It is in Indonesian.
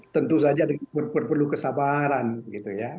tentu saja perlu kesabaran gitu ya